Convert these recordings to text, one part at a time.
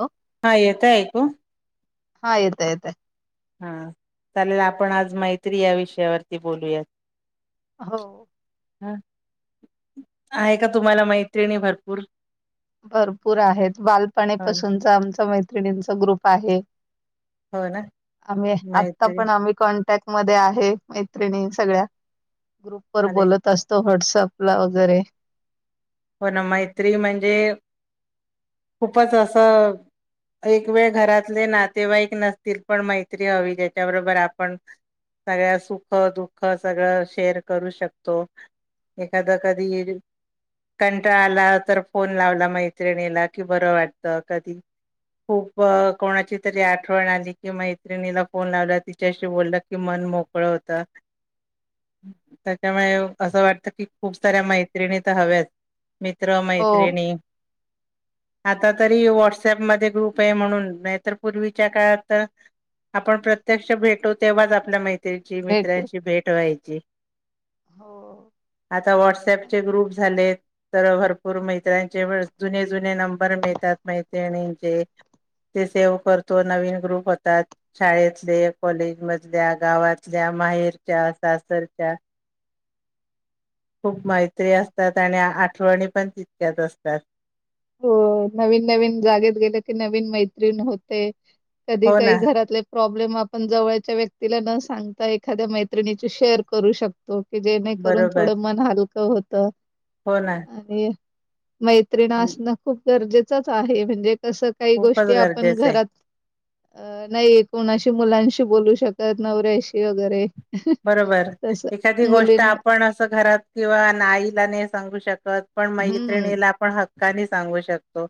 Hello हा येत ऐकू. हा येतय, येतय. हा चालेल आपण आज मैत्री या विषयावरती बोलूयात. हो. ह आहे का तुम्हाला मैत्रिणी भरपूर. भरपूर आहेत हो बालपणीपासूनच आमच मैत्री मैत्रिणीचा ग्रुप आहे. हो ना आम्ही आता मैत्री पण आम्ही कॉन्टॅक्. मध्ये आहे मैत्रिणी सगळ्या. ग्रुप वर अरे बोलत असतो व्हॉट्सप व्हाट्सअप ला वगैरे. पण मैत्री म्हणजे खूपच असं, एक वेळ घरातले नातेवाईक नसतील पण मैत्री हवी. ज्याच्याबरोबर आपण सगळ्या सुख, दुःख सगळं शेअर करू शकतो. एखाद कधी कंटाळा आला तर फोन लावला मैत्रिणीला कि बरं वाटत. कधी खूप कोणाची तरी आठवण आली कि मैत्रिणीला फोन लावला तिच्याशी बोललं की मन मोकळं होत. त्याच्यामुळे असं वाटत कि खूप साऱ्या मैत्रिणी तर हव्याच मित्र हो मैत्रिणी आता तरी व्हॉट्सअप मध्ये ग्रुप आहे म्हणून, नाहीतर पूर्वीच्या काळात तर आपण प्रत्यक्ष भेटो तेव्हाच आपला मै त्याची भेटू मित्रांची भेट व्हायची. हो आता व्हॉट्सअपचे ग्रुप झालेत तर भरपूर मैत्र्यांचे जुने जुने नंबर मिळतात मैत्रिणींचे, ते सेव करतो नवीन ग्रुप होतात. शाळेतले, कॉलेज मधल्या, गावातल्या, माहेरच्या, सासरच्या. हो. मैत्री असतात आणि आठवणी पण तितक्याच असतात. हो नवीन नवीन जागेत गेल की, नवीन मैत्रीण होते. कधी हो ना काही घरातले प्रॉब्लेम आपण जवळच्या व्यक्तीला न सांगता, एखाद्या मैत्रिणीशी शेअर करू शक तो. की जेणे करून बरोबर थोडं मन हाल क होत. हो ना. मैत्रिण हं, अश खूप गरजेचच आहे म्हणजे कसं काही खूपच गोष्टी आपण गरजेचं आहे घरात अ नाही कोणाशी मुलांशी बोलू शकत नवऱ्याशी वगैरे बरोबर तसं. एखादी मुलीं गोष्ट आपण असं घरात किंवा नाईला ने सांगू श कत पण हं. मैत्रिणीला पण ह क्काने सांगू शक तो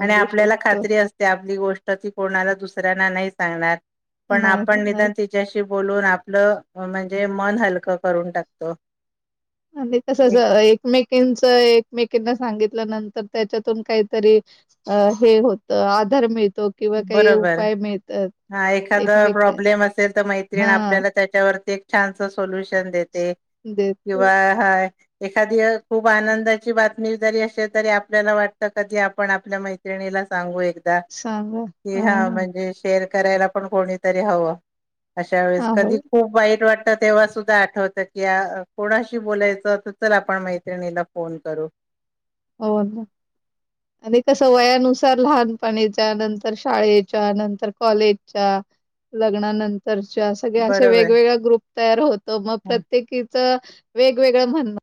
आणि आपल्याला शकतो. खात्री असते आपली गोष्ट ती कोणाला दुस सऱ्यांना नाही सांगणार. पण नाही आपण सांगणार निदान तिच्याशी बोलून आपलं म्हणजे मन हलकं करून टाकतो. आणि तसंच एक अ एकमेकीचं एकमेकींना सांगितल्यानंतर त्याच्यातून काहीतरी अ हे होतं आधार मिळ बरोबर हां एखादं एकमेक प्रॉब्लेम असेल तर मैत्रिण हां. आपल्याला त्याच्यावरती [unintelligible] सोल्युशन देते देतो. किंवा हा एखादी खूप आनंदाची बातमी जरी असे तरी आपल्याला वाटत कधी आपण आपल्या मैत्रिणीला सांगू एक दा सांगा. कि हां, हा हां. म्हणजे शेर करायला पण कोणीतरी हवं अशा वेळेस कधी आवड खूप वाईट वाट आता तेव्हा सुद्धा आठवत की कोणाशी बोलायचं असेल तर आपण मैत्रिणीला फोन करू हो आणि कसं वयानुसार लहानपणीच्या नंतर शाळेच्या नंतर कॉलेजच्या लग्नानं तरच्या सगळ्या अशा बरोबर वेगवेगळ ग्रुप तयार होतो मग ह प्रत्येकीच वेगवेगळं म्हणणं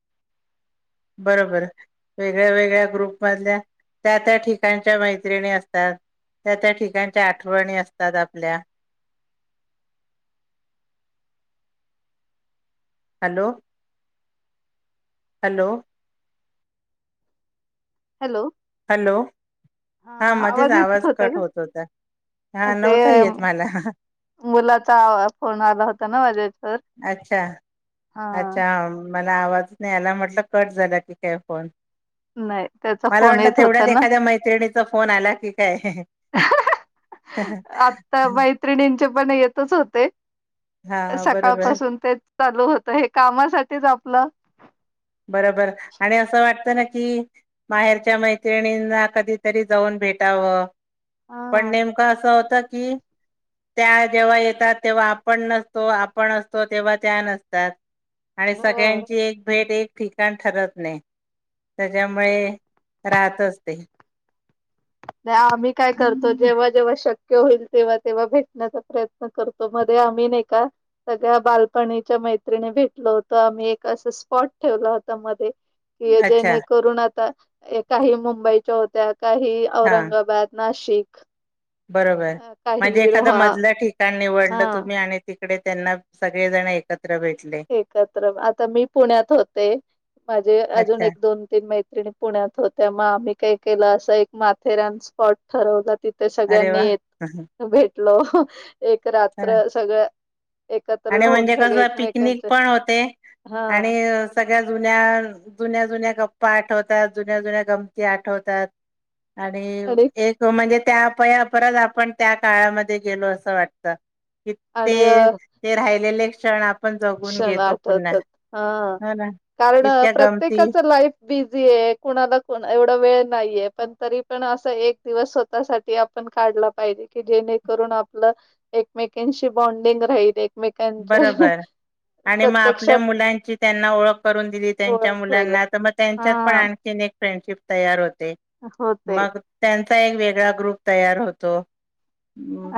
बरोबर वेगळ्या वेगळ्या ग्रुप मधल्या त्या त्या ठिकाच्या मैत्रिणी असतात त्या त्या ठिकाच्या आठवणी असतात आपल्या हॅलो. हॅलो. हॅलो हॅलो ह हा मध्येच आवाज येत होता कट होत होता का हा ते नव्हता येत मला मुलाचा फोन आला होता ना माझ्या अच्छा हा अच्छा हां, मला आवाजच नाही आला म्हटलं कट झाला की काय फोन नाही त्याचा मला फोन वाटलं येत होत तेवढ्यात एखाद्या मैत्रिणीचा फोन आला की काय [unintelligible] चे पण येतच होते हा सकाळ बरोबर पाासून तेच चालू होत हे कामासाठीच आपलं बरोबर आणि असं वाटतं ना कि माहेरच्या मैत्रिणींना कधीतरी जाऊन भेटावं पण हा. नेमका असं होत कि त्या जेव्हा येतात तेव्हा आपण नसतो आपण असतो तेव्हा त्या नसतात आणि हो. सगळ्यांची एक भेट एक ठिकाण ठरत नाही त्याच्यामुळे राहतच ते नाही आम्ही काय करतो जेव्हा जेव्हा शक्य होईल तेव्हा तेव्हा भेटण्याचा प्रयत्न करतो मध्ये आम्ही एका सगळ्या बालपणीच्या मैत्रि भेटलो होतो आम्ही एक असं स्पॉट ठेवला होता मध्ये कि अच्छा जेणेकरून आता काही मुंबईच्या होत्या काही हा औरंगाबाद, नाश शिक. बरोबर म्हणजे एखाद मधल्या ठिकाण निवडलं हा तुम्ही आणि तिकडे त्यांना सगळे जण येतात एकत्र आता मी पुण्यात होते माझे अजून अच्छा एक दोन तीन मैत्रिणी पुण्यात होत्या मग आम्ही काही केलं अस एक माथेरान स्पॉट ठरवला तिथे अरे सगळ्यांनी वा येत भेट हॅलो एक रात्र सगळं एकत्र राहून सगळे एकमेकां ते पण होते आणि सगळ्या जुन्या जुन्या जुन्या गप्पा आठवतात जुन्या जुन्या गमती आठवतात आणि एक म्हणजे त्या परत आपण त्या काळामध्ये गेलो असं वाटत आणि इथे अ, गेलेले क्षण आप क्षण आठवतात हा हो ना कारण इतक्या गमती प्रत्येकाच लाईफ बिझी आहे कुणाला एवढा वेळ नाहीये पण तरी पण अस एक दिवस स्वतःसाठी आपण काढला पाहिजे की जेणेकरून आपलं एकमेकांशी बॉनडिंग राहील मीटनचं बरोबर आणि मग आपल्या मुलांची त्यांना ओळख करून दिली, त्यांच्या ओळख होईल मुलांना तर मग त्यांच्यात पण हा आणखीन एक फ्रेंडशिप तयार होते ते होते मग त्या चा एक वेगळा ग्रुप तयार होतो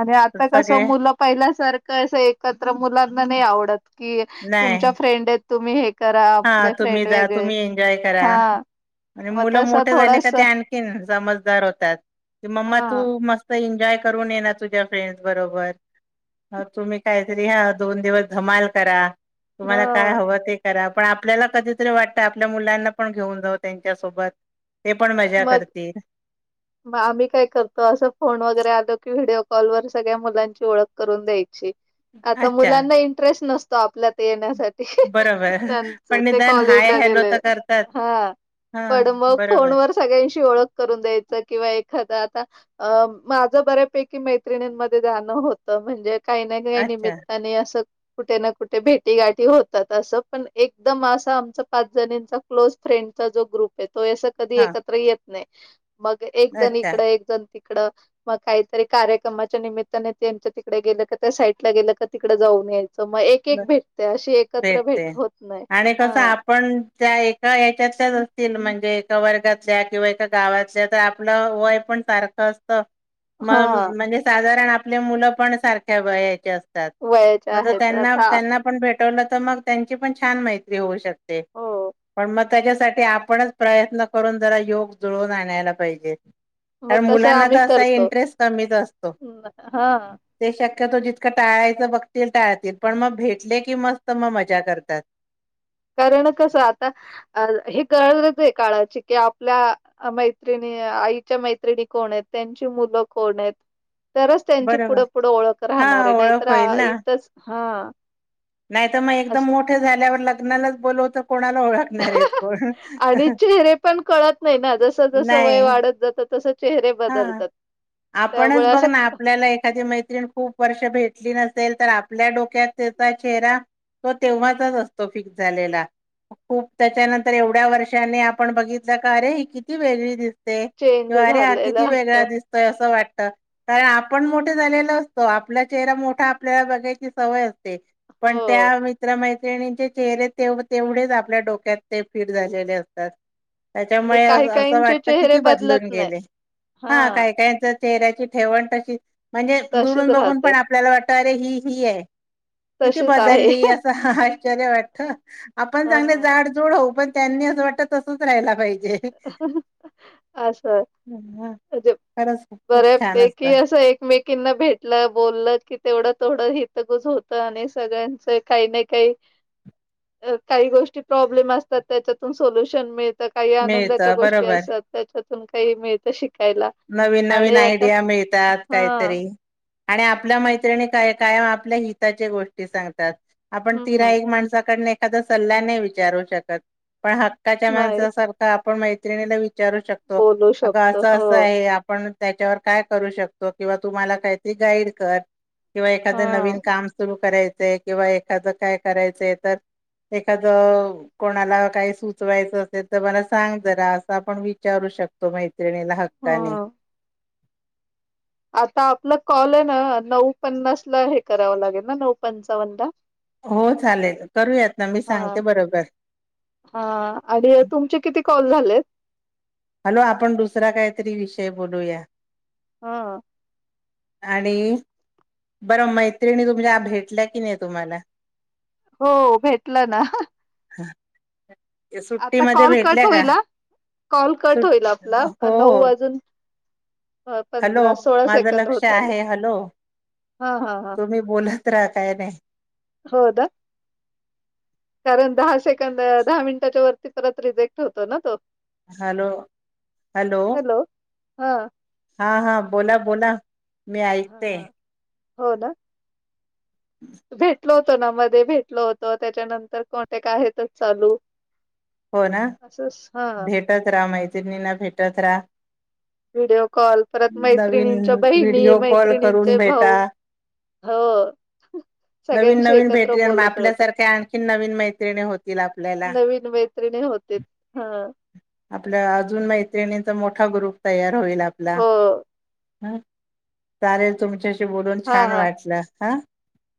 अरे आता कस मुलं पहिल्यासारखं अस एकत तर मुलांना नाही आवडत कि नाही तुमच्या फ्रेंड आहेत तुम्ही हे करा हा आपले तुम्ही फ्रेंड जा वेगळे तुम्ही एन्जॉय करा, हा मग मुलं तस मोठे झाले की थोडस ते आणखी समजदार होतात. हा मम्मा तू मस्त एन्जॉ एन्जॉय करून येणार तुझ्या फ्रेंडस बरोबर तुम्ही मग काहीतरी हा दोन दिवस धमाल करा ह तुम्हाला काय हवं ते करा पण आपल्याला कधीतरी वाटतं आपल्या मुलांना पण घेऊन जाऊ त्यांच्यासोबत ते पण मजा मग करतील म आम्ही काय करतो असं फोन वगैरे आलो की व्हिडिओ कॉल वर सगळ्या मुलांची ओळख करून द्यायची आता अच्छा मुलांना इंटरेस्ट नस तो आपल्या येण्यासाठी बरोबर त्यांच पण ते निदान हाय कॉलेजला हॅलो गेलं तर करतात हं, हा पण मग बरोबर फोनवर ओळ करून द्यायच किंवा एखा आता माझं बऱ्यापैकी मैत्रिमध्ये जाणं होत म्हणजे काहीना काही अच्छा निमित्ताने असं कुठे ना कुठे भेटीगाठी होतात, असं पण एकदम असं आमचा पाच जणींचा क्लोज फ्रेंडचा जो ग्रुप आहे. तो असं कधी हा एक येत नाही. मग एकजण अच्छा इकडं एकजण तिकडं मग काहीतरी कार्यक्रमाच्या निमित्ताने त्यांच्या तिकडं गेलं क त्या साईटला गेलं तर तिकडं जाऊन याय च मग एक एक भेटत्या अशी एकत्र भेट भेटते होत नाही आणि कसं हां. आपण त्या एक [unintelligible] असतील म्हणजे एका वर्गात ल्या किंवा एका गावातल्या तर आपलं वय पण सारखं असतं. मग हा म्हणजे साधारण आप आपली मुलं पण सारख्या वयाची अस वयाचे आहेत. त्यांना आता त्यांना पण भेट त नंतर मग त्यांची पण छान मैत्री होऊ शक ते हो पण म त्याच्यासाठी आपणच प्रयत्न करून जरा योग जुळवून आणायला पाहिजेत. मग कारण तसं मुलांना आम्ही तर असं करतो. इंटरेस्ट कमीच असतो हम्म, हा ते शक तो आता जितकं टाळायचं बघतील टाळ पण मग भेटले की, मस्त मग मजा करतात. कारण कसं आता अ ल ही गरजच आहे काळाची की, आपल्या मैत्रिणी आईच्या मैत्रिणी कोण आहेत, त्यांची मुलं कोण आहेत? तरच त्यांची बरोबर. पुढं पुढं ओळख हा राहणार आहे, नाही ओळख तर होईल ना इथचं हा. नाही तर, मग एकदम मोठे झाल्यावर लग्न लग्नालाचं बोलवतो. ह ह आणि चहेरे पण कळत नाही ना, जसं जसं नाही वय वाढत जात तसं चेहरे हा बदलतात. त्यामुळे आपणच बघ असं ना आपल्याला एखादी मैत्रीण खूप वर्ष भेट नसेल तर आपल्या डोक्यात त्याचा चेहरा तो तेव्हाच चं असतो फिक्स झालेला, खूप त्याच्यानंतर एवढ्या वर्षाने आपण बघितलं का रे ही किती वेगळी दिस दिसते ते चेंज अरे झालेलं किती असत वेगळा दिसतोय, असं वाटत कारण आपण मोठे झालेल असतो, आपला चेहरा मोठा आपल्याला बघायची सवय असते. ते हो. पण त्या मित्र मैत्रि श्रेणींचे चेहरे तेवढेच आपल्या डोक्यात ते फिट झालेले असतात आणि त्याच्यामुळे काही असं काहींचे वाटत चेहरे किती बदलून बदलत नाही गेले हा काय काय चं चहऱ्याची ठेवण तशी म्हणजे तशीच दुरून बघून राहते पण आपल्याला वाटत तरही ही आहे किती तशीच आहे. बदलली असं आश्चर्य वाटत आपण हा चांगले जाड जोड होऊ पण त्यांनी असं वाटतं तसच राहिला पाहिजे अससं हा, अजे खरंच खूप खूप बऱ्या छान असत पैकी असं एकमेकींना भेटलं बोललं कि तेवढंच थोडं हितगच होत आणि सगळ्यांच काही ना काही काही गोष्टी प्रॉब्लेम असतात त्याच्यातून सोल्युशन मिळत तर काही आणनं. मिळत [unintelligible] गोष्टी बरोबर असातं तेच त्यातून काही मिळत शिक नवीन नवीन आयडिया मिळतात, हां, काहीतरी आणि आपल्या मैत्रिणी काय कायम आपल्या हिताच्या गोष्टी सांगतात. आपण हं. तिर्‍हाईत माणसाकडले आता सल्ला नाही विचारू शकत. पण हक्काच्या नाही माणसासारखा पण मैत्रिणीला विचारू बोलू शकतो अं आपणच त्याच्यावर काय करू शकतो, किंवा तू मला काहीतरी गाईड कर. किंवा एखादं नवीन हां, काम सुरू करायचयं किंवा एखादं काय करायचंय तर, एखादं कोणाला काय सुचवायचं असेल तर, मला सांग जरा असं आपण विचारू शकतो मैत्रिणीला. हक्काने. हं आता आपला कॉल आहे ना, नऊ पन्नास ला हे करावं लागेल ना, नऊ पंचावन्न ला? हो चालेल करूयात ना मी हां सांगते बरोबर. हां आणि तुमचे किती कॉल झालेत? हॅलो, आपण दुसरा काहीतरी विषय बोलूया. हां आणि बरं मैत्रिणी तुमच्या भेटल्या की नाही तुम्हाला? हो भेटलं ना. हं आता कॉल कट होईल हा? कॉल कट सुट होईल आपला. हो नऊ हो वाजून अ, हॅलो, माझं सेकंद लक्ष होत आलं. आहे. हॅलो, हां, हां, हां. तुम्ही बोलत रहा. काय नाय. हो दहा सेकंद, दहा मिनिटांच्या वरती, परत रिजेक्ट होतो ना तो? हॅलो, हॅलो हां, हां हां, बोला बोला मी ऐकते. हां. हो ना भेटल होतो ना, मध्ये भेटलो होतो, त्याच्यानंतर कॉन्टॅक्ट आहेतच चालू. हो ना, असंच हां. भेटत रहा, मैत्रिणीना भेटत रहा. व्हिडिओ कॉल, परत नवीन मैत्रिणींच्या बहिणी, व्हिडिओ कॉल करून मैत्रिणींचे भेटा भाऊ, हो नवीन सगळ्यांशी नवीन भेट एकत्र बोलत राहतो, आपल्यासारख्या आणखीन नवीन मैत्रिणी होतील आपल्याला नवीन मैत्री होते हा आपल्या अजून मैत्रिणी- मोठा ग्रुप तयार- होईल आपला. हो. हा, चालेेल तुमच्याशी- बोलून हां, छान हां. वाटले हा,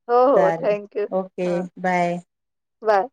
हो, हो. Thank you. ओके, हां. बाय. बाय.